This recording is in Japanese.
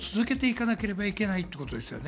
これは阻止しなければいけないということです。